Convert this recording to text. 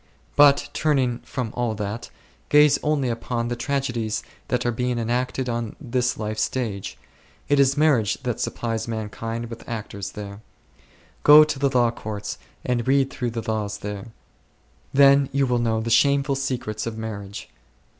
But turning from all that, gaze only upon the tragedies that are being enacted on this life's stage ; it is marriage that supplies mankind with actors there. Go to the law courts and read through the laws there; then you will know the shameful secrets of marriage.